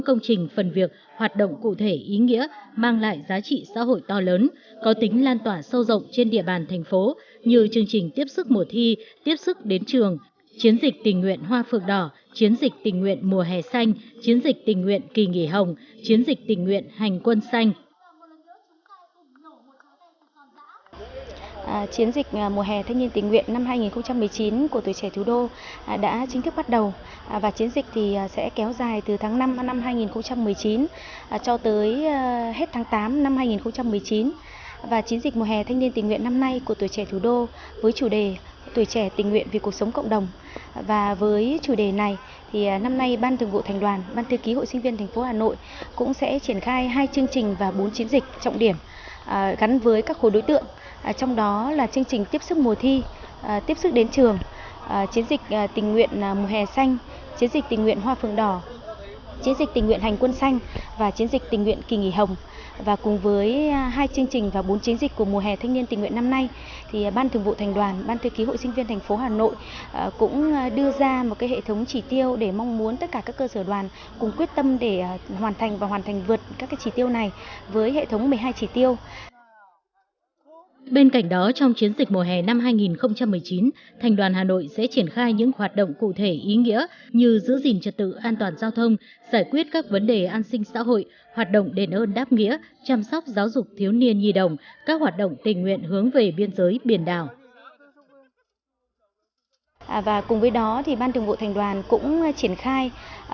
chiến dịch mùa hè thanh niên tình nguyện năm hai nghìn một mươi chín của tuổi trẻ thủ đô cũng sẽ thành công và đạt được những kết quả như mong đợi